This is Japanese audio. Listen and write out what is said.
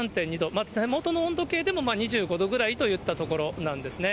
手元の温度計でも２５度ぐらいといったところなんですね。